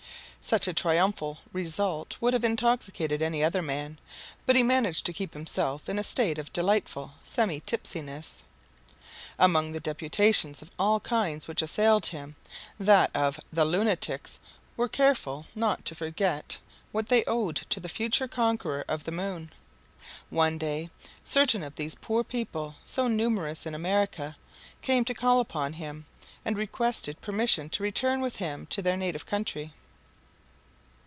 Such a triumphal result would have intoxicated any other man; but he managed to keep himself in a state of delightful semi tipsiness. Among the deputations of all kinds which assailed him, that of "The Lunatics" were careful not to forget what they owed to the future conqueror of the moon. One day, certain of these poor people, so numerous in America, came to call upon him, and requested permission to return with him to their native country.